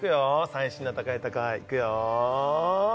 最新の高い高いいくよ